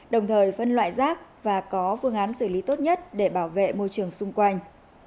đồng thời phân loại rác và có phương án xử lý tốt nhất để bảo vệ môi trường xung quanh